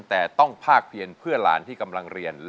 แต่ต้องภาคเพียนเพื่อหลานที่กำลังเรียน